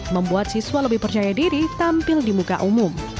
membuat siswa lebih percaya diri tampil di muka umum